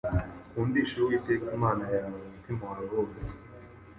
Ukundishe Uwiteka Imana yawe umutima wawe wose